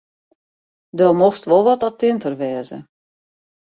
Do mochtst wol wat attinter wêze.